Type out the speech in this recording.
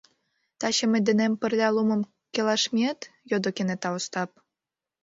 — Таче мый денем пырля лумым келаш миет? — йодо кенета Остап.